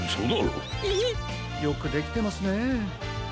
よくできてますね。